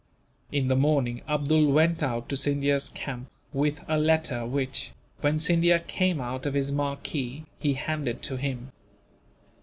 In the morning, Abdool went out to Scindia's camp with a letter which, when Scindia came out of his marquee, he handed to him.